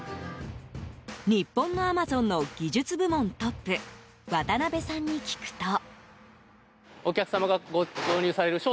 日本のアマゾンの技術部門トップ渡辺さんに聞くと。